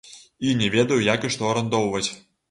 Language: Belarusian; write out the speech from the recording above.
І не ведаю як і што арандоўваць.